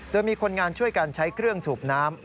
โดยมีคนงานช่วยกันใช้เครื่องสูบน้ำ